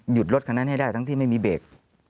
รถคันนั้นให้ได้ทั้งที่ไม่มีเบรก